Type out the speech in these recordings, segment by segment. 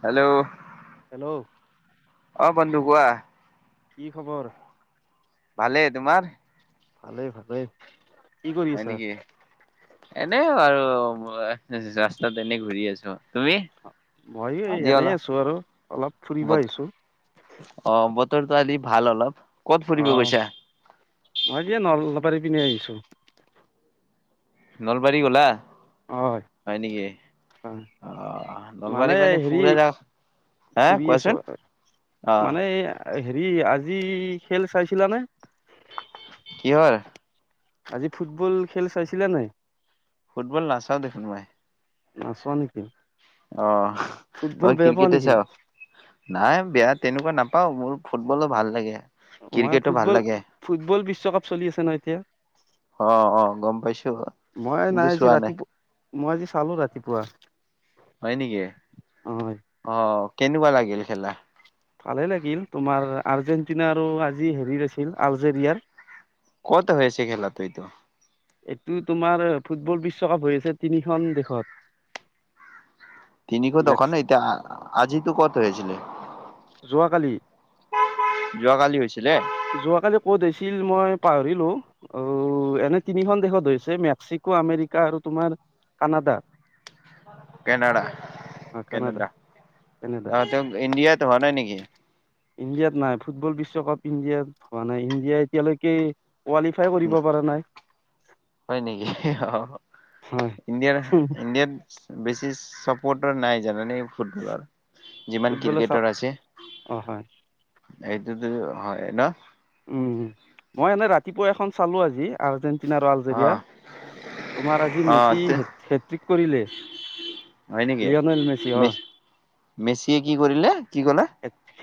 Hello hello অ বন্ধু কোৱা। কি খবৰ ভালে তোমাৰ। ভালেই ভালেই। কি কৰি আছা। এনেও আৰু ৰাস্তাত এনে ঘূৰি আছো। তুমি? ময়ো এই আজি এনেই অলপ আছো আৰু অলপ ফুৰিব বত আহিছো। অ বতৰটোৱালি ভাল অলপ ক'ত ফুৰিব আহ গৈছা? মাজিয়ে নল পাৰি পিনে আহিছো। নলবাৰী গ'লা। হয় নেকি হয়। আহ মানে নলবাৰী পানী হেৰি ফু য হা ফুৰি আছো কোৱাচোন মানে আহ হেৰি আজি খেল চাইছিলানে? কিহৰ? আজি ফুটবল খেল চাইছিলা নাই? ফুটবল নাচাও দেখোন মই। নাচোৱা নেকি? অ'! ফুটবল অ'! বেয়া পোৱা ক্ৰিকেটে নেকি চাওঁ? নাই বেয়া তেনেকুৱা নাপ পাও মোৰ ফুটবলো ভাল লাগে! মই ক্ৰিকেটো ভাল ফুটবল, লাগে ফুটবল বিশ্বকাপ চলি আছে নহয় এতিয়া। অ'! অ'! গম পাইছোঁ। মই নাই আজি ৰাতিপুৱা মই আজি চালোঁ ৰাতিপুৱা। হয় নেকি? হয় অ'! কেনেকুৱা লাগিল খেলা ভালে লাগিল! তোমাৰ আৰ্জেণ্ট আৰ্জেটিনা আৰু আজি হেৰিত আছিল আলজেৰিয়াৰ। ক'ত হৈছে খেলাতো এইতো? এইটো তোমাৰ ফুটবল বিশ্বকাপ হৈ আছে তিনিখন দেশত। মেক্স তিনিখন এতিয়া, আজিতো ক'ত হৈ আছিলে। যোৱাকালি যোৱাকালি হৈছিলে? যোৱাকালি ক'ত হৈছিল মই পাহৰিলোঁ। এনে তিনিখন দেশত হৈছে মেক্সিকো আমেৰিকা আৰু তোমাৰ কানাডা। কেনাডা, অ কানাডা কেনেডা। কেনেডা অ'! ইণ্ডিয়াত হোৱা নাই নেকি? ইণ্ডিয়াত নাই! ফুটবল বিশ্বকাপ ইণ্ডিয়াত হোৱা নাই। ইণ্ডিয়া এতিয়ালৈকে কোৱালিফাই কৰিব পৰা নাই। হয় নেকি? অ'! হয় ইণ্ডিয়াৰ ইণ্ডিয়াত বেছি চব প'ৰ্টাৰ নাই জানানে ফুটবলৰ। যিমান ফুটবলৰ চাপ ক্ৰিকেটৰ আছে। অ হয় এইটোতো হয় ন'। উম, উ! মই এনে ৰাতিপুৱা এখন চালোঁ আজি আৰ্জেণ্ট আৰু অ আলজেৰিয়া তোমাৰ হেৰি অ মেছি [unintelligible] কৰিলে। হয় নেকি মেছি মে অ'! মেচিয়ে কি কৰিলে কি ক'লে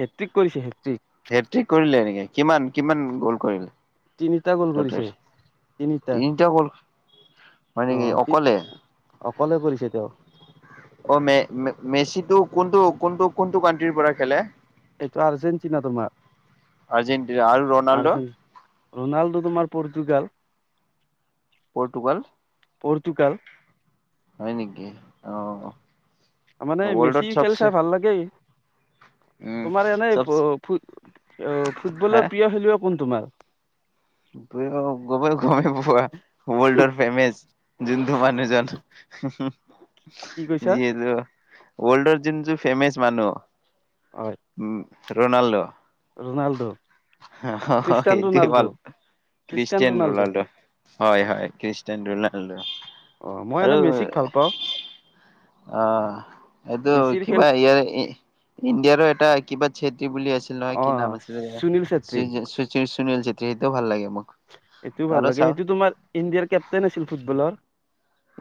হেট্ৰিক কৰিছে হেট্ৰিক। হেট্ৰিক কৰিলে নেকি! কিমান, কিমান গোল তিনিটা গ'ল কৰিলে? কৰিছে তিনিটা গোল। হয় অ নেকি অ'কলে? অকলে কৰিছে তেওঁ অ'! মে মেছিটো কোনটো কোনটো, কোনটো কাউন্ট্ৰী পৰা খেলে? এইটো আৰ্জেণ্টিনা তোমাৰ। আৰ্জেণ্টিনা আৰু ৰনাল্ডো ৰোনাল্ডো তোমাৰ, পৰ্তুগাল। পৰ্তুগাল। পৰ্তুগাল। অ মানে, ৱৰ্ল্ডত মেছি খেল চবচে চাই ভাল লাগে। উম তোমাৰ এনেই চবচে ফুট, হা ফুটবলৰ প্ৰিয় খেলুৱৈ কোন তোমাৰ? [unintelligible] ৱৰ্ল্ডৰ ফেমেচ, যোনটো মানুহজন হু কি হু কৈছা যিটো ৱৰ্ল্ডৰ যোনটো ফেমেচ মানুহ উম। Ronald Ronald, Christian Ronald. Christian Ronaldo, হয় হয় খ্ৰিষ্টিয়ান ৰনাল্ডো অ মই আৰু এনে মেচিক ভাল পাওঁ আহ এইটো মেচিৰ খেল কিবা ইয়াৰ ইণ্ডিয়াৰো এটা কিবা ছেত্ৰী বুলি আছিল নহয় অ কি নাম আছিলে সুনীল চেত্ৰী চি সুনিল চেত্ৰী। এইটো ভাল লাগে। সেইটোও ভাল লাগে, সেইটো তোমাৰ ইণ্ডিয়াৰ কেপটেইন আছিল ফুটবলৰ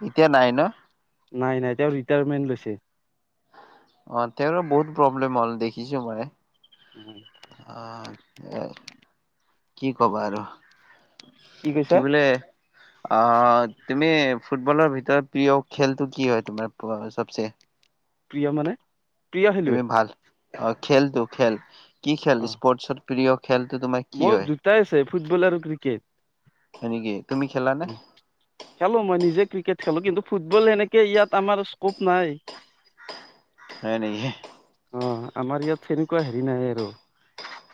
এতিয়া নাই ন। ৰিটায়াৰমেণ্ট লৈছে। অ তেওঁৰো বহুত প্ৰব্লেম হ'ল দেখিছো মই। অ। অ। কি কবা আৰু, কি বোলে, আহ তুমি ফুটবলৰ ভিতৰত প্ৰিয় খেলটো কি হয় তোমাৰ চবচে? প্ৰিয় মানে প্ৰিয় খেলুৱৈ তুমি ভাল অ খেল তো খেল। কি খেল অ' স্পৰ্টছৰ? প্ৰিয় খেলটো তোমাৰ কি মোৰ হয় দুটাই আছে ফুটবল আৰু ক্ৰিকেট। হয় নেকি তুমি খেলানে খেলো, মই নিজে ক্ৰিকেট খেলো কিন্তু ফুটবল এনেকে ইয়াত আমাৰ স্কোপ নাই। হয় নেকি। অ, আমাৰ ইয়াত সেনেকুৱা হেৰি নাই আৰু।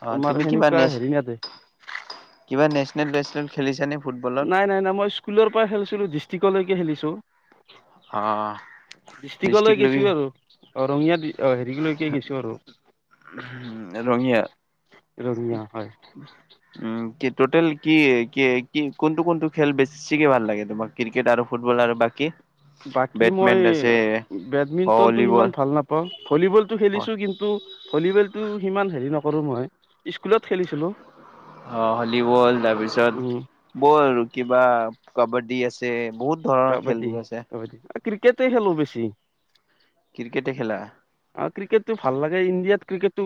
অ, তোমাৰ তুমি কিবা কিবা সেনেকুৱা নেছ, হেৰি নাতে কিবা নেছনেল বেছনেল খেলিছানে ফুটবলৰ? নাই, নাই, নাই মই স্কুলৰ পৰা খেলিছো। ডিষ্ট্ৰিকলৈকে খেলিছো। অ', ডিষ্ট্ৰিকলৈ ডিষ্ট্ৰিক্ গেছো লগি। আৰু অ', ৰঙিয়া। অ', হেৰি লৈকে গেছো আৰু। ৰঙিয়া ৰঙিয়া। হয়। উ'ম কে'। টোটেল কি, কি, কি কোনটো কোনটো খেল বেছিকে ভাল লাগে তোমাক ক্ৰিকেট আৰু ফুটবল আৰু বাকী। বাকী বেটমেন মই আছে বেডমিণ্টনতটো ইমান ভলীবল ভাল নাপাওঁ ভলীবলটো অ খেলিছো কিন্তু ভলীবল। টো সিমান হেৰি নকৰো মই। স্কুলত খেলিছিলো অ', ভলীবল তাৰপিছত উম বল কিবা। কাবাড্ডী আছে বহুত। ধৰণৰ খেলবোৰ আছে। ক্ৰিকেটেই খেলো বেছি। ক্ৰিকেটে খেলা অ', ক্ৰিকেটটো ভাল লাগে ইণ্ডিয়াত। ক্ৰিকেটো।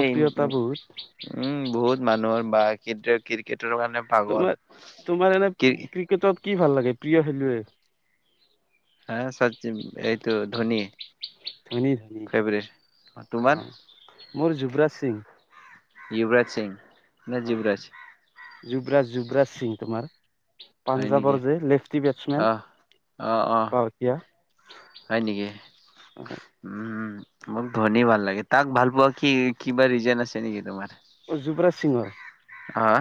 এই, বহুত উ'ম বহুত মানুহৰ বা ক্ৰিকেট। ক্ৰিকেট। তোমাৰ তোমাৰ এনে কি ক্ৰিকেটত। কি ভাল লাগে প্ৰিয় খেলুৱে? হে এইটো ধোনী ধনী ধনী ফেৱৰেট, অ তোমাৰ? মোৰ যুৱৰাজ সিং। যুুৱৰাজ সিং। নে যুৱৰাজ যোৱৰাজ যোৱৰাজ সিং তোমাৰ, হয় নেকি পাঞ্জাবৰ যে লেফটি বেটছমেন আহ অ অ পকা। হয় নেকি, উ'ম। মোক ধোনী ভাল লাগে, তাক ভাল পোৱা কি কিবা ৰিজন আছে নেকি তোমাৰ? [unintelligible] আহ।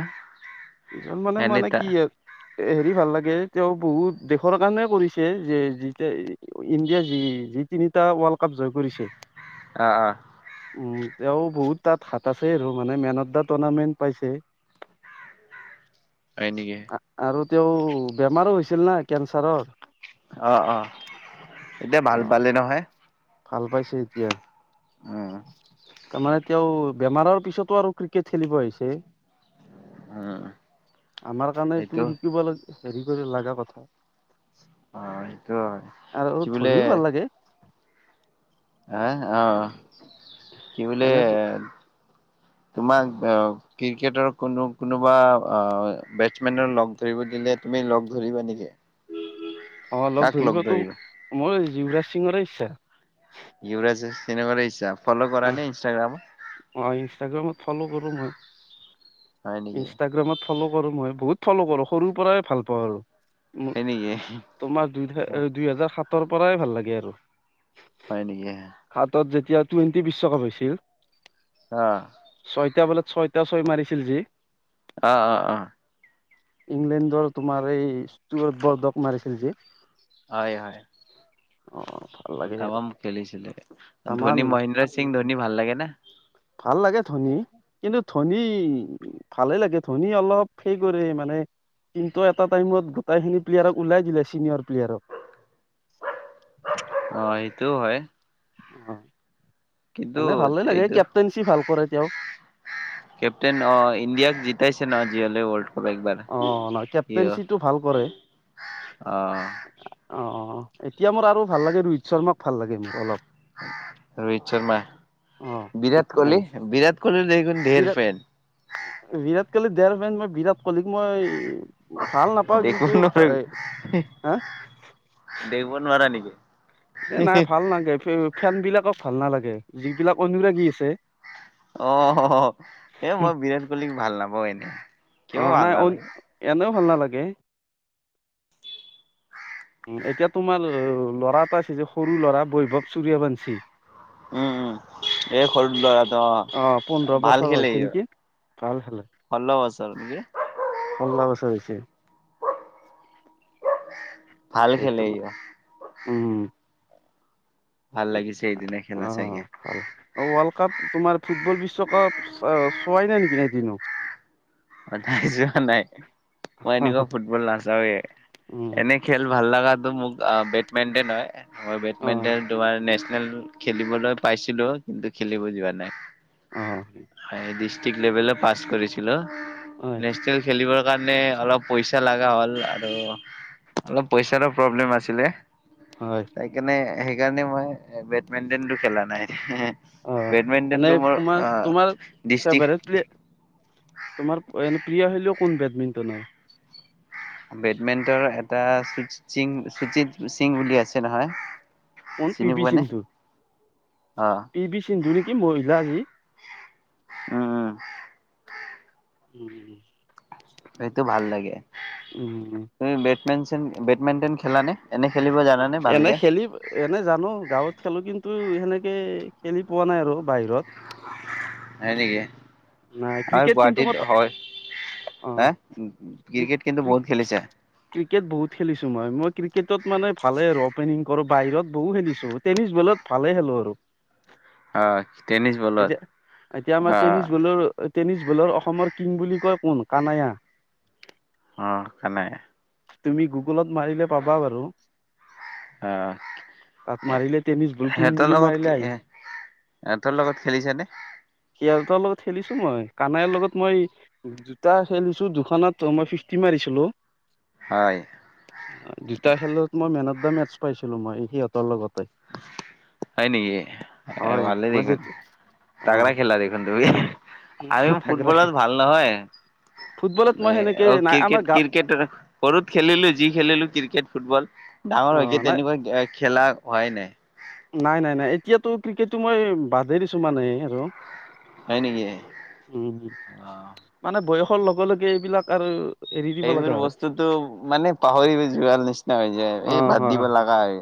ইখন মানে মানে কি আৰু। হেৰি ভাল লাগে, তেওঁ বহুত দেশৰ কাৰণে কৰিছে, যে ইণ্ডিয়া যি যি তিনিটা ৱৰ্ল্ড কাপ জয় কৰিছে। অঁ অঁ। উম, তেওঁ বহুত তাত হাত আছে আৰু মানে মেন অফ দা টুৰ্ণামেণ্ট পাইছে। হয় নেকি? আৰু তেওঁ বেমাৰো হৈছিল না কেঞ্চাৰৰ। অ অ এতিয়া ভাল অ' পালে নহয়। ভাল পাইছে এতিয়া। উম তাৰমানে তেওঁ বেমাৰৰ পিছতো আৰু ক্ৰিকেট খেলিব আহি উম আহিছে। আমাৰ কাৰণে তো সেইটো শিকিব লা। হেৰি কৰি লগা কথা। অ এইটো হয় আৰু কি বুলিলে ধনীও ভাল লাগে হ। আহ কি বোলে? এনে তোমাক ক্ৰিকেটৰ কোনো কোনোবা বেটছমেনৰ লগ ধৰিব দিলে তুমি লগ ধৰিবা নেকি? অঁ লগ কাক ধৰিবতো ধৰিবা? মোৰ যৱৰাজ সিঙৰে ইচ্ছা ইৱৰাজ চিনেম ল ইচ্ছা ফ'ল' কৰা আহ নে ইনষ্টাগ্ৰামত অ ইনষ্টাগ্ৰামত ফ'ল' কৰোঁ মই হয় নেকি? ইনষ্টাগ্ৰামত ফ'ল' কৰো মই বহুত ফ'ল' কৰোঁ সৰুৰ পৰাই ভাল পাওঁ আৰু হয় নেকি? তোমাৰ দু দুই হাজাৰ স তৰ পৰাই ভাল লাগে আৰু হয় নেকি? হাতত যেতিয়া টুৱেণ্টি বিশ্বকাপ হৈছিল। আহ। ছয়টা বলাত ছয়টা ছয় মাৰিছিল যি। আ অঁ অঁ অঁ ইংলেণ্ডৰ তোমাৰ এই ষ্টট বৰ্দক মাৰিছিল যে। ভাল লাগে দুটামান খেলিছিলে, তামান ধনী মহেন্দ্ৰ সিং ধনী ভাল লাগে। নে ভাল লাগে ধনী কিন্তু ধনী ভালে লাগে ধনী অলপ সেই কৰে, মানে কিন্তু এটা টাইমত গোটেইখিনি প্লেয়াৰক ওলাই দিলে চিনিয়ৰ প্লেয়াৰক। অ সেইটোও হয়। অঁ কিন্তু এইটো কৰে তেওঁ কেপটেইন অ ইণ্ডিয়াক জ [unintelligible] অ নহ কেপটেনশিটো ভাল কৰে অ। এতিয়া মোৰ আৰু ভাল লাগে ৰোহিত শৰ্মাক ভাল লাগে মোৰ অলপ ৰোহিত শৰ্মা অ বিৰাট হিতমেন কোহলি বিৰাট কোহলি দেখোন ধেৰ বিৰাট ফেন বিৰাট [unintelligible] দেৰ মিন ম বিৰা কলিক মই ভাল নাপাওঁ কিন্তু দেখিব নোৱাৰ হা [inaudible] দেখিব নোৱাৰা নেকি এ নাই ভাল নাগে ফেন বিলাকক ভাল নালাগে যিবিলাক অনুৰাগী আছে। অ এ মই বিৰাট কোহলী ভাল নাপাওঁ এনে অ কিয় ভাল নাই নালাগে এনেও ভাল নালাগে। এতিয়া তোমাৰ ল'ৰা এটা আছে যে সৰু ল'ৰা বৈভৱ চুুৰয়াবঞ্চী। উম উম এ সৰু ল'ৰাটো অ পোন্ধৰ ভাল বছৰ হৈছে খেলেহি নেকি ভাল খেলে ষোল্ল বছৰ নেকি। আছে [inaudible] ভাল খেলে ই তোমাৰ অ উম ভাল লাগিছে সেইদিনা খেলা অ চাগে ভাল ৱৰ্লড কাপ তোমাৰ ফুটবল বিশ্বকাপ চোৱাই নাই নেকি এদিনো অ নাই চোৱা নাই। মই এনেকুৱা ফুটবল নাচাওঁ এ। উম এনে খেল ভাল ভাল ল লগা ত মোক অ বেডমিণ্টন হয় ম অ বেডমিণ্টন তোমাৰ খেলিবলৈ পাইছিলো। কিন্তু খেলিব যোৱা নাই। অ ডিষ্ট্ৰিক্ট লেভেলও পাছ কৰিছিলো হয় নেচনেল খেলিব কাৰণে অলপ পইচা লগা হ'ল আৰু অলপ পইচাৰো প্ৰব্লেম আছিলে। হয় সেইকাৰণে সেই সেইকাৰণে মই বেডমিন্টন টো খেলা নাই। অ বেডমিণ্টনটো এনেই মোৰ তোমাৰ তোমাৰ ডিষ্ট্ৰিক্ট ফেভাৰেট্ পেলেয়াৰ তোমাৰ প্ৰিয় হলেও কোন বেডমিণ্টনৰ বেডমিণ্টনৰ এটা সিং সুচিত সিং বুলি আছে নহয়। কোন পি চিনি পি পোৱা নে? সিন্ধু অ' পি বি সিন্ধু নেকি মহিলাজি। উ উ উম হেইটো ভাল লাগে উম তুমি বেছ বেতমেচন বেডমিণ্টন খেলা নে? এনে খেলি এনে জানো গাঁৱত খেলো কিন্তু সেনেকে তেনেকৈ খেলি পোৱা নাই আৰু বাহিৰত। হয় নেকি নাই আৰু ক্ৰিকেট কিন্তু মই গুৱাহাটীত হয় অ হ ক্ৰি ক্ৰিকেট কিন্তু ক্ৰি বহুত খেলিছে। ক্ৰিকেট বহুত খেলিছো মই মই ক্ৰিকেটত মানে ভালে আৰু অপেনিং কৰক বাহিৰত বহু খেলিছো টেনিছ বলত ভালে খেলো আৰু। অ তেনিচ বলত এতিয়া এতিয়া আমাৰ অ। টেনিছ বলৰ টেনিছ বলৰ অসমৰ কিং বুলি কয় কোন কানায়া। আহ কানাই। তুমি গো। গুলত মাৰিলে পাবা বাৰু আহ তাত মাৰিলে টেনিছ বল কিং সিহঁতৰ বুলি লগত মাৰিলে কি আহি এ সিহঁতৰ লগত খেলিছে নে? তাৰ লগত খেলিছো মই কানাইৰ লগত মই দুটা খেলিছো দুখনত মই ফিফটি মাৰিছিলো। হয় দুটা খেলত। মই মেন অফ দ্য মেথছ পাইছিলো মই সিহঁতৰ লগতে। হয় নেকি এ হয় ভালেই মই দেখোন যেতিয়া অ তাকৰা খেলা দেখোন তুমি আমি থাগৰা ফুটবলত ভাল নহয় ফুটবলত মই সেনেকে অ নাই ক্ৰিকেট আমাৰ গাঁও ক্ৰিকেট সৰুত খেলিলো যি খেলিলো ক্ৰিকেট ফুটবল ডাঙৰ অ হয়ক নাই তেনেকুৱা খেলা। হয় নাই। নাই নাই নাই এতিয়াতো ক্ৰিকেটটো মই বাদেই দিছো মানে আৰু। হয় নেকি উ অ মানে বয়স। লগে লগে এইবিলাক আৰু। এৰি দিব এইবোৰ লগা হয় বস্তুটো মানে পাহৰি যোৱা নিচিনা হৈ যায় অ এই বাদ হয় দিব লগা হয়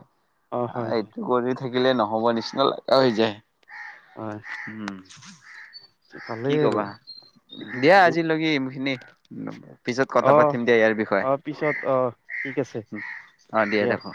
অ হয় হয় এইটো কৰি। থাকিলে নহ'ব নিচিনা লগা হৈ যায়। হয় উম উচ কি ভালেই আৰু কবা দিয়া উ আজিলৈকি খিনি পিছত। কথা অঁ পাতিম দিয়া ইয়াৰ বিষয়ে অঁ পিছত অঁ ঠিক আছে অ দিয়া। ৰাখো